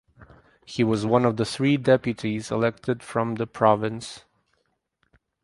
He was one of three deputies elected from the province.